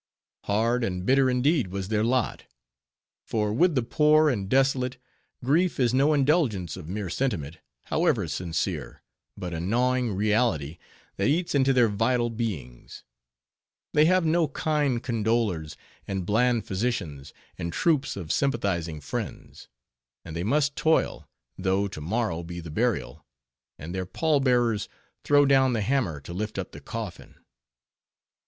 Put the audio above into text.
Hard and bitter indeed was their lot; for with the poor and desolate, grief is no indulgence of mere sentiment, however sincere, but a gnawing reality, that eats into their vital beings; they have no kind condolers, and bland physicians, and troops of sympathizing friends; and they must toil, though to morrow be the burial, and their pallbearers throw down the hammer to lift up the coffin.